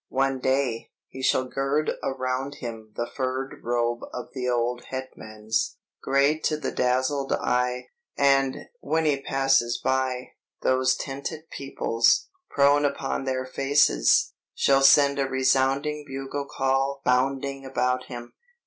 One day, he shall gird around him the furred robe of the old Hetmans, great to the dazzled eye; and, when he passes by, those tented peoples, prone upon their faces, shall send a resounding bugle call bounding about him!